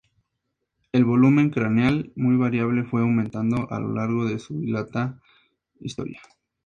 El volumen craneal, muy variable, fue aumentando a lo largo de su dilatada historia.